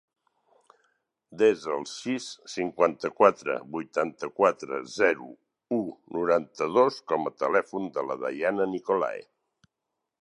Desa el sis, cinquanta-quatre, vuitanta-quatre, zero, u, noranta-dos com a telèfon de la Dayana Nicolae.